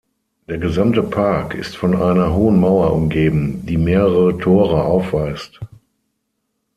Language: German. Der gesamte Park ist von einer hohen Mauer umgeben, die mehrere Tore aufweist.